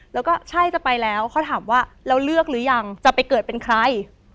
แล้วก็ใช่จะไปแล้วเขาถามว่าเราเลือกหรือยังจะไปเกิดเป็นใคร